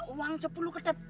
uang sepuluh ketep